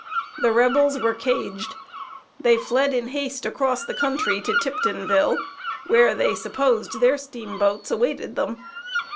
The Rebels were caged. They fled in haste across the country to Tiptonville, where they supposed their steamboats awaited them.